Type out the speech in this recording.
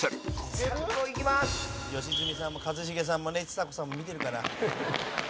山崎：良純さんも一茂さんもねちさ子さんも見てるから。